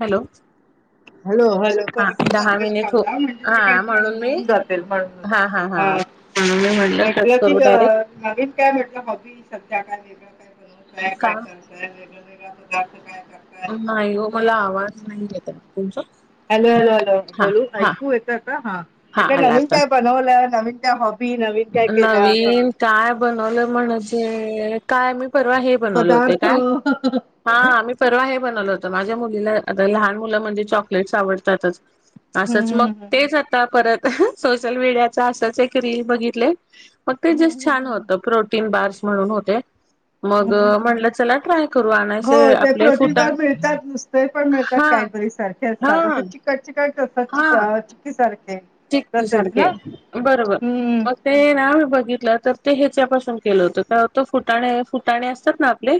Hello. Hello hello हा परतला दहा मिनिट हो म्हणजे हा ते कंटिन्यू म्हणून मी होऊन जाते म्हणून हा हा हा ह म्हणून मी कट म्हटलं की करू डायरेक्ट हॉबी काय म्हटल हाॅबी सध्या काय वेगळं काय कर का काय कर दे दर्द काय कर [inaudible] नाही हो मला आवाज नाही येत तुमचा. हॅलो, हॅलो, हॅलो हा बोलू हा ऐकू येत का हा म्हटलं आला नवीन आता काय? नवीन काय हॉबी नवीन काय केलं असं नवीन काय बनवलं म्हणजे काय मी परवा हे बनवले होते. पदार्थ काय? हम्म हा मी परवा हे बनवलं होतं माझ्या मुलीला आता लहान मुलं म्हणजे चॉकलेट्स आवडतातच असच मग हम्म तेच हम्म आता परत सोशल मीडियाचा असच एक रील बघित मग ते हम्म हम्म जस्ट हम्म छान होत हम्म प्रोटीन बार्स म्हणून होते. मग हम्म हम्म म्हणलं चला ट्राय करू हो आणायचे ते आपले प्रोटीन बार फुटाने मिळतात नुसते पण मिळतात हा कॅडबरी सारखे हा असतात अस चिकटचीकट असतात च चुकी सारखे. चिकी तसेच सारखे ना बरोबर हम्म ओ ते ना बघितलं तर ते ह्याच्यापासून केलं होतं का तो फुटाणे, फुटाणे असतात ना आपले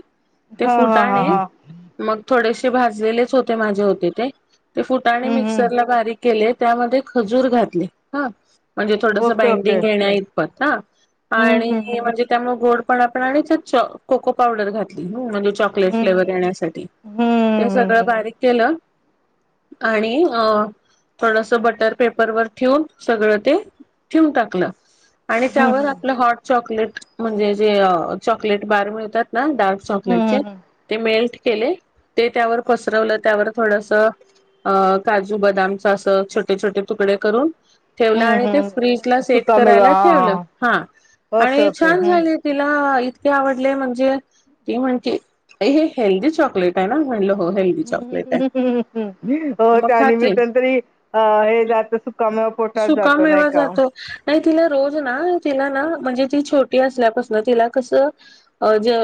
ते हा हा हा फुटाणे हा मग थोडेसे भाजलेलेच होते माझे होते ते ते फुटाणे हम्म मिक्सरला हम्म बारीक केले त्यामध्ये खजूर घातले हा.. म्हणजे थोडस ओके ओके बांडिंग घेण्या इतपत ह आणि हम्म हम्म म्हणजे त्यामुळे गोड आपण आणि च कोको पावडर घातली चॉकलेट हम्म फ्लेवर येण्यासाठी. हम्म ते सगळं हम्म बारीक केलं आणि थोडस बटर पेपर वर ठेवून सगळ ते ठेवून टाकलं आणि हम्म हम्म त्यावर आपलं हॉट चॉकलेट म्हणजे जे चॉकलेट बार मिळतात ना डार्क चॉकलेटचे हम्म हम्म ते मेल्ट केले ते त्यावर पसरवलं त्यावर थोडस अ काजू, बदामचा असं छोटे, छोटे तुकडे करून. ठेवलं हम्म आणि ते फ्रीज ला हम्म सेट सुकामेवा करायला हा ठेवलं हा ओके आणि ओके छान हम्म झाले. तिला इतके आवडले म्हणजे ती म्हणते हे हेल्दी चॉकलेट काय ना म्हटल हो हिल. हो मग त्या आणि मी खाती तरी अ हे जात सुका म सुका मेवा जातो. नाही तिला रोज ना तिला ना म्हणजे ती छोटी असल्यापासन तिला कसं अ जे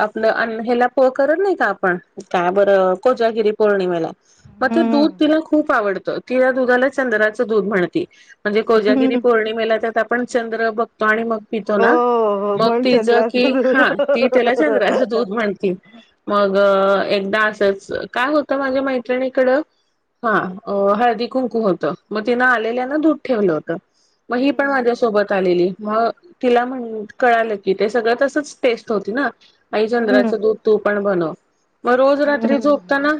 आपलं अन्न ह्याला पो करत नाही का आपण काय बरं कोजागिरी पौर्णिमेला. मग ते हम्म दूध तिला खूप आवडत ति या दुधाला चंद्राचं दूध म्हणती. म्हणजे कोजागिरी हम्म पौर्णिमेला त्यात आपण चंद्र बघतो आणि मग पितो हो ना हो मग म्हणून ति ज की, चंद्राचं हा ती त्याला चंद्राचं दूध म्हणतीय. मग एकदा असंच, काय होतं माझ्या मैत्रिणीकडं? हा, अं हळदी -कुंकू होत् त, मग तिनं आलेल्यान दुध ठेवलं होत, मग ही पण हम्म माझ्यासोबत आलेली, मग तिला म्हण, कळालं की ते सगळं तसच टेस्ट होती ना. आई हम्म चंद्राचं दूध तू पण बनव, मग रोज रात्री हम्म झोपताना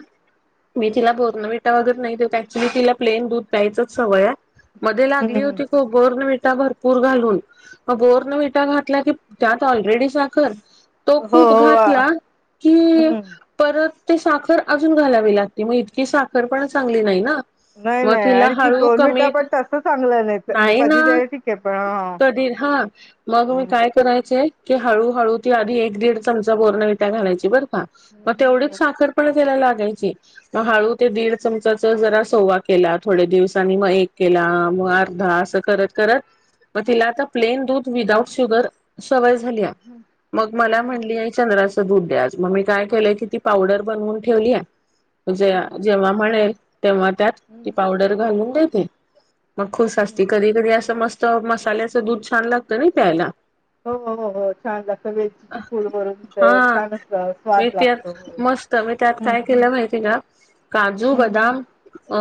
मी तिला बोर्नविटा वगैर नाही देत, ॲक्च्युअली तिला प्लेन दूध प्यायचच सवय आहे, मदे लागली हम्म होती खुप बोर्नविटा भरपूर घालून. मग बोर्नविठा घातला की, त्यात ऑलरेडी साखर तो हो खूप हो आ, घातला कि, हम्म परत ते साखर अजून घालावी लागते, मग इतकी साखर पण चांगली नाही ना. नाही मग नाही तिला आणि ती हळू दोन कमी, मिनिटं पण तसं चांगलं तर- नाही ना, कधी तरी ठीक आहे पण हा कधी हा. मग मी हम्म. काय करायचे की, हळूहळू ती आधी एक- दीड चमचा बोर्नविटा घालायचे बरं का, मग हम्म, तेवढीच हम्म, साखर पण तेला लागायची, मग हळू ते दीड चमचाचं जरा सवा केला. थोडे दिवसांनी मग एक केला, मग अर्धा असं करत करत मग तिला आता प्लेन दूध विदाउट शुगर सवय झालीया, मग मला हम्म, म्हटली आई चंद्राचं चं दूध द्या, मग मी काय केलंय कि ती पावडर बनवून ठेवली. जे हम्म, जेव्हा म्हणेल, तेव्हा त्यात ती हम्म, पावडर घालून देते. मग खुश असती, हम्म. कधी कधी असं मस्त मसाल्याचं दूध छान लागतय नी प्यायला. हो हो हो हो छान लागत, वेचीची पूड भरून हा छानच स्वाद लागतो. तर मी त्यात हम्म काय केलं माहिती आहे का, काजू, हम्म हम्म. बदाम अ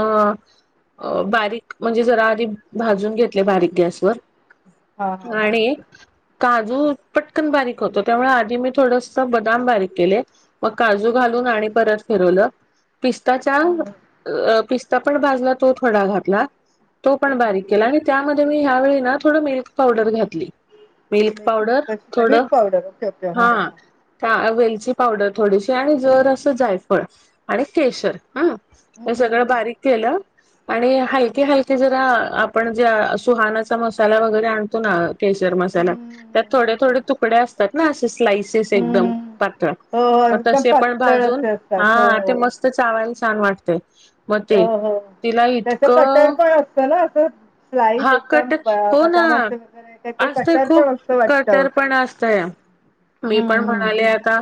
अ बारीक म्हणजे, जरा आधी भाजून घेतले बारीक हा गॅसवर हा हा आणि काजू पटकन बारीक होतो, त्यामुळे आधी मी थोडस बदाम बारीक केले. मग काजू हम्म घालून आणि परत फिरवलं, पिस्ताच्या हम्म हम्म अ पिस्ता पण भाजला तो थोडा घातला, तो पण हम्म. बारीक केला, आणि त्याम त मी ह्यावेळी ना थोड मिल्क पावडर घातली. मिल्क मेथी पावडर कशी मिल्क थोडं, पावडर ओके ओके हां हा. हां त्या वेलची पावडर थोडीशी आणि जरासं जायफळ आणि केशर. हम, हे सगळं बारीक केलं ह आणि हलके -हलके जरा, आपण जे सुहानाचा मसाला वगैरे आणतो ना. केसर मसाला हं त्यात थोडे थोडे तुकडे असतात ना, असे स्लाईसेस एकदम हं पातळ हो हो मग एकदम तसे पण पातळ भाजून, असे असतात हो हा ते हो मस्त चावायला छान वाटतय. मग हो ते हो तिला त्याच कटर इतकं पण असत ना असं, स्लाईस हा एकदम कट हो ना बदामाच वगैरे त्याच असतय कटर पण खूप असतं वाटतं. कटर पण असतया मी हं पण हं म्हणाले आता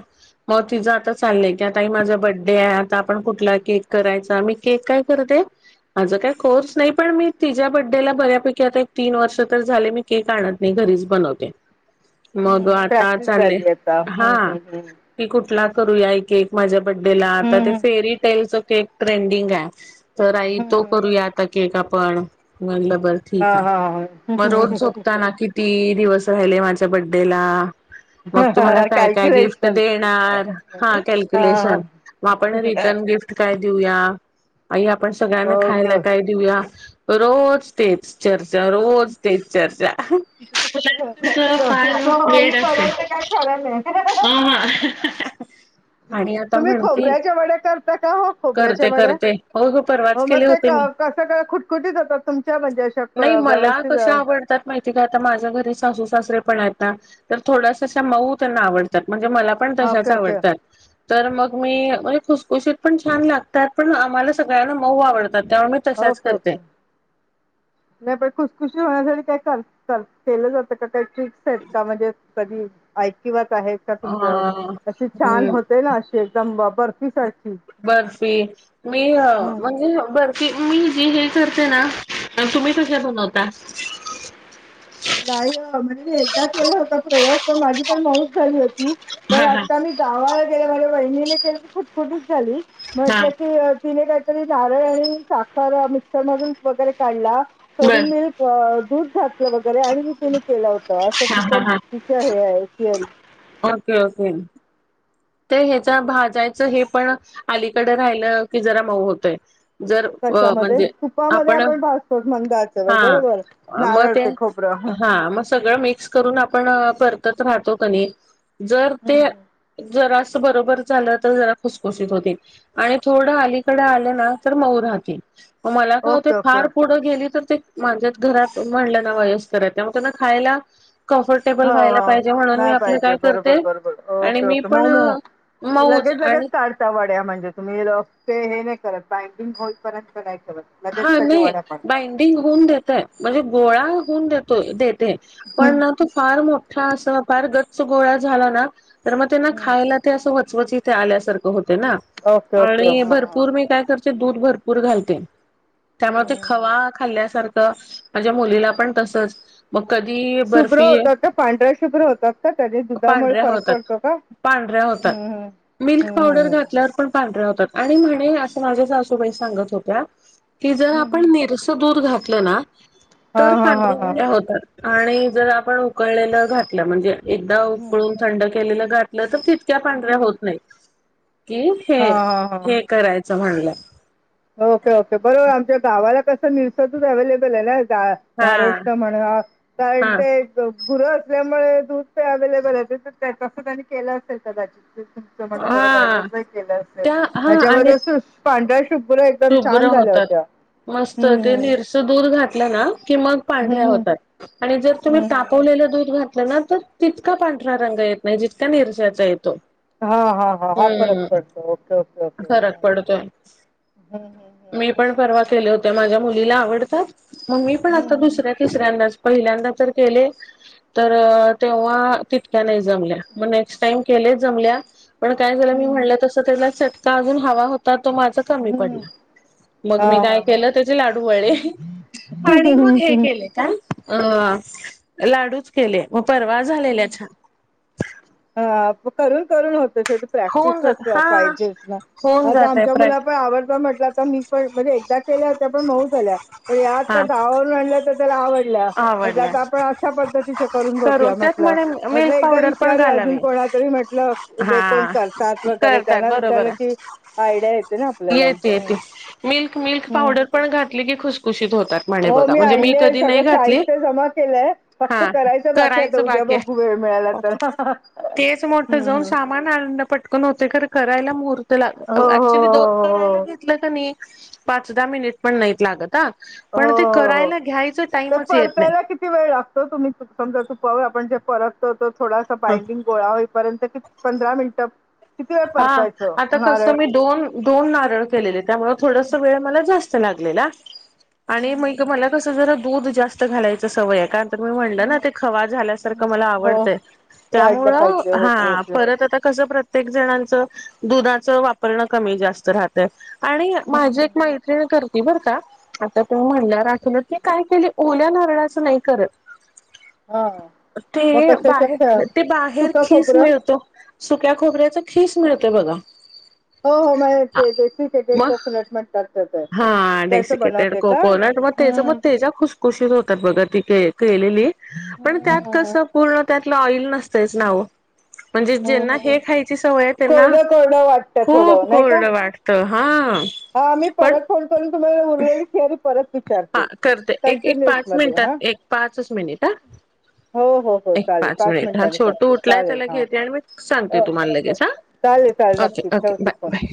मग तिझं आता चाललंय की, आता आई माझा बड्डे आहे आता आपण कुठला केक करायचा? मी केक काय करते. माझं काय कोर्स नाही, पण मी तिच्या बडेला बऱ्यापैकी आता एक तीन वर्ष तरी झाले केक आणत नाही, घरीच बनवते, मग हं आता प्रॅक्टिस चाललय, झाली आता हा हं हं हं की कुठला करूया आई केक माझ्या बड्डेला, आता ते हं फेरी टेलच केक ट्रेंडिंग आहे त आई तो हं करूया आता केक आपण, म्हनल ब ठीक हां हाय म रोज हां झोपताना किती दिवस राहिले माझ्या बड्डेला मग तु मला हां काय काय गिफ्ट कॅल्क्युलेशन देणार, हा हां हां कक्युलेशन म आपण रिटर्न गिफ्ट काय देऊया, आई आपण सगळ्यांना खायला ओके काय देऊया, रोज तेच चर्चा, रोज तेच चर्चा तुमचं फार [unintelligible] हो होई वेड असेल पर्यंत काय खर नाय. हा हा आणि आता तुम्ही म्हणती खोबऱ्याच्या वड्या करता का हो खोबऱ्याच्या करते वड्या. करते हो ग परवाच हो म केले ते होते क मी कसं का खुटखुटीच होतात तुमच्या म्हणजे अशा क नाही मला व्यवस्थित अ कशा आवडतात माहिती का आता माझ्या घरी सासू सासरे पण आहेत ना तर थोडसा अशा मऊ त्यांना आवडतात म्हणजे मला पण तश्याच ओके ओके आवडत्यात, तर मग मी, म्हणजे खुसखुशीत पण छान लागतात. पण आम्हाला सगळ्यांना मऊ आवडतात. तेव्हा मी तशाच ओके करते ओके, नाय पण खुसखुशीत होण्यासाठी काय कर कर केलं जातं का, काही ट्रिक्स आहेत का म्हणजे कधी ऐकिवात आहेत. का अ तुमच्या, अशी छान हम्म होते ना अशी एकदम बर्फी सारखी. बर्फी, मी हं. म्हणजे बर् की मी हे जे करते ना तुम्ही कशा बनवता? नाही ओ म्हणजे मी एकदा केला होता प्रयोग पण माझी पण मऊच झाली होती. पण हा हा आता मी गावाला गेले माझ्या वहिनीने केली ती खुटखुटित झाली. हा म्हटलं की तिने काय तिने नारळ आणि साखर मिक्सर मधून वगैरे काढला थोडी बर मिल्क अ दूध घातलं वगैरे आणि तिनी केलं होतं असं हा तिच तिच हे हाय थिअरी मग कळत नाई ते ह्याचा भाजायचं हे पण अलीकड राहिलं की जरा मऊ होतय. जर अ कशामध्ये? म्हणजे तुपामध्ये आपण भाजतो मंद आचेवर हा, बरोबर. म नारळ ते खोबरं. हं. हा, म सगळं मिक्स करून आपण परतत राहतो कनी जर हं, ते हं. जरास बरोबर झालं तर जरा खुसखुशीत होते. आणि थोडं अलीकड आलं ना तर मऊ राहते. म मला काय होतय, ओके, फार ओके. पुढं गेली तर ते माझ्यात घरात म्हणलं ना वयस्कर आहे त्यामुळे त्यांना खायला हो कम्फर्टेबल व्हायला हो पाहिजे म्हणून मी नाही आपलं पाहिजे काय करते, बरोबर बरोबर आणि ओके मी पण, मऊच आणि पडता वाड्या म्हणजे तुम्ही लोक ते हे नाय करत बाइंडिंग होईपर्यंत नाही ठेवत. हा नय बाइंडिंग होऊन देतय म्हणजे गोळा होऊन देतोय देत ते पण हम्म, न तो फार मोठा अस फार गच्च गोळा झाला ना तर म त्यांना हम्म. खायला ते असं वचवच इथ आल्यासारखं होते ना ओके ओके आणि हा भर हा पूर मी काय करते दूध भरपूर घालते. त्यामुळे हम्म, ते हम्म, हम्म. खवा खाल्ल्यासारखं माझ्या मुलीला पण तसच मग कधी शुभ्र बर्फी होतात का? पांढऱ्या शुभ्र होतात का? कधी दुधामुळे पांढऱ्या फरक होतात पडतो का? पांढऱ्या होतात. हम्म मिल्क पावडर हम्म घातल्यावर पण पांढऱ्या होतात आणि म्हणे अस माझ्या सासूबाई सांगत होत्या की जर हम्म आपण हम्म निरस दूध घातलं ना हा तर हा हा पांढऱ्या हा हा पांढऱ्या होतात. आणि जर आपण उकळलेलं घातलं म्हणजे एकदा हम्म उकळून थंड केलेलं घातलं. तर तीत - क्या पांढऱ्या हम्म. होत नाही की हा हे हा हा हे करायचं म्हणल्या ओके ओके बरोबर आमच्या गावाला कसं निरस दुध अव्हेलेबल आहे ना जावा हा धरूष्टा म्हणून आ कारण हा ते गुर असल्यामुळे दूध तर अवेलेबल असेल तर तसं त्यांनी केलं असेल कदाचित. तो म्हणाल बरोबरय हा तसही केल असेल त्या हा त्याच्या आणि मध्ये पांढर्‍या शुभ्र एकदम शुभ्र छान झाल्या होतात होत्या. मस्त हं, ते हं. निर दूध घातलं ना की मग हं, पांढऱ्या हं. होतात. आणि जर तुम्ही हं, हं. तापवलेलं दूध घातलं ना तर तितका पांढरा रंग येत नाही जितका निरजाचा येतो. हा हा हा हा फरक हम्म पडतो ओके ओके ओके फरक पडतोय हम् हम्. मी पण परवा केल्या होत्या माझ्या मुलीला आवडतात मग मी पण हं, हं, आता हं. दुसऱ्या तिसऱ्यांदच पहिल्यांदा तर केले तर तेव्हा तितक्या नाय जमल्या मग नेक्स्ट टाईम केले जमल्या पण काय झालं मी हं, हं. म्हणलं तस त्याला चटका अजून हवा होता तो माझा हं, कमी हं. हं, हं. पडला, मग मी हां, काय हां, हां. केलं त्याचे लाडू वळले. आणि मग हे हं, केले काय? अ लाडूच केले म परवा झालेले छा आ करून करून होतं शेवटी होऊन प्रॅक्टिस जात हा पाहिजे ना होऊन आता जातय आमच्या मुला प्रॅक्ट पण आवडत म्हटल आता मी पण म्हणजे एकदा केल्या होत्या पण मऊ झाल्या पण या हा गावावरून आणल्या होत्या तर त्याला आव ल्या आवडल्या म्हणलं आपण अशा पद्धतीच्या करून बघूया त्यात म्हंटलं म्हणे म्हंटलं मिल्क एकदा पावडर पण विचारू अजून घालावी कोणा तरी म्हटलं जे कोण हा करतात वगैरे करतात त्यांना बरोबर विचारलं की आहे आयडिया येते ना आपल्याला येते हम्म. येते मिल्क मिल्क हम्म. पावडर पण घातली की खुशखुशीत होतात. म्हणे हो बघा मी म्हणजे आणलीय कधी नाही सगळं घातली साहित्य जमा केलंय फक्त हा करायचं बाकी आता उद्या बाकी ब घू आहे वेळ मिळाला तर हा तेच मोठं जाऊन हम्म. सामान आनन पटकन होतय खर करायला मुहूर्त हो लाग हो हो ऍक्च्युली दोन हो करायला हो. घेतलं का पाच दहा मिनिट पण नाइत लागत आ. हो हो हो ते येत परतायला नाही किती वेळ लाग तो तुम्ही समजा तुपावर आपण जे परततो थोडासा बाइंडिंग गोळा होईपर्यंत कि -पंधरा मिनिटं किती वेळ हा परतायचं आता कसं नारळ मी दोन दोन नारळ केलेले त्यामुळे थोडस वेळ मला जास्त लागलेला. हम्म, आणि म हित हम्म, मला हम्म, कसं जरा दूध जास्त घालायचं सवय कारण तर मी म्हणलं ना हम्म. हम्म, ते खवा हम्म. झाल्यासारखं मला हो आवडतंय. वाढलं त्यामुळं पाहिजे ओके हा ओके परत हम्म, आता कस प्र जणांच दुधाचवापरण कमी जास्त राहतय आणि माझी हम्म. एक मै त्रीण करती बरका आता तुम्ही म्हणणार तीन ते काय केलय ओल्या नारळाचं नाय करत. [inaudible] ते मग कशाच्या खे बाहेर ते बाहेर सुका खीस खोबरं मिळतो सुक्या खोबऱ्याचा खीस मिळतोय बघा. हो हो माया हिते डेसिकेटेड मग कोकनट म्हणतात. त्याच हा त्याच डेसिकेटेड बनवते का कोकोनट मग तेच मग हम्म त्याच्या खुश शीत होतात बघा ती केलेली पण हम्म त्यात हम्म हम्म कसं पूर्ण त्यातलं ऑइल नसतंयच ना ओ? म्हणजे हम्म, ज्यांना हे हम्म. खायची सवय आहे त्यांना कोरडं कोरडं वाटत खूप थोडं नाही कोरड का वाट त हा. हा मी पण परत फोन करून तुम्हाला उरलेली थेरी परत विचारते हा करते एक एक पाच कंटिन्युअन्समध्ये हा. मिनिटात एक पाचच मिनिट हा हो हो हो एक चालेल पाच मिनिट हा मिनिटांनी छोटू करते उठलाय चालेल त्याला हा. घेते आणि मी सांगते तुम्हाला लगेच हा चालेल चालेल ओके नक्कीच ओके ठेवते बाय फोन. बाय